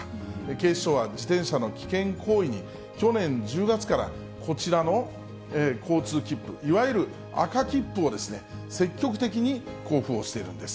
警視庁は、自転車の危険行為に去年１０月からこちらの交通切符、いわゆる赤切符を積極的に交付をしているんです。